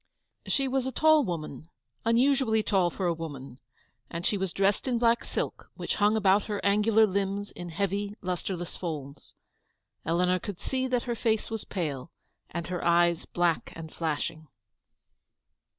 She was a tall woman, unusually tall for a woman, and she was dressed in black silk, which hung about her angular limbs in heavy, lustreless folds. Eleanor could see that her face was pale, and her eyes black and flashing.